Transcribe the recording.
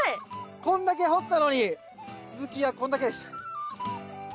こんだけ掘ったのに続きはこんだけでした。